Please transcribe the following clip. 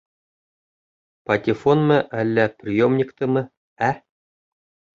Патефонмы әллә приемниктымы, ә?